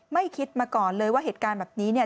ไม่คิดมาก่อนเลยว่าเหตุการณ์แบบนี้เนี่ย